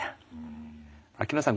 秋野さん